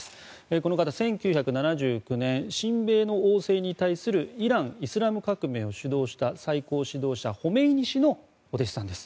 この方は１９７９年親米の王政に対するイラン・イスラム革命を主導した最高指導者ホメイニ師のお弟子さんです。